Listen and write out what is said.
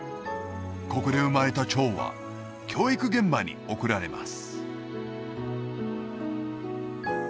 ここで生まれた蝶は教育現場に送られます